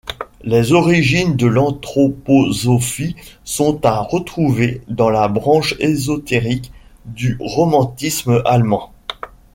Les origines de l'anthroposophie sont à retrouver dans la branche ésotérique du romantisme allemand.